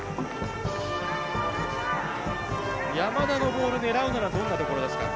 山田のボール、狙うならどんなところですか？